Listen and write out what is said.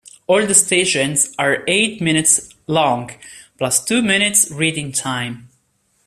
All the stations are eight minutes long, plus two minutes reading time.